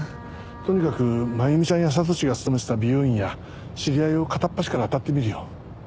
とにかく真弓ちゃんや悟史が勤めてた美容院や知り合いを片っ端から当たってみるよ。